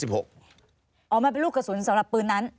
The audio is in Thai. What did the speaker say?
อ๋อมันเป็นลูกกระสุนสำหรับปืนนั้น